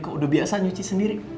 kok udah biasa nyuci sendiri